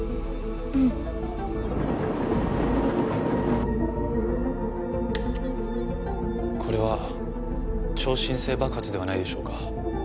うんこれは超新星爆発ではないでしょうか？